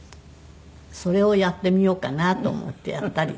それをやってみようかなと思ってやったりね。